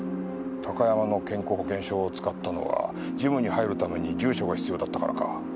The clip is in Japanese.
高山の健康保険証を使ったのはジムに入るために住所が必要だったからか。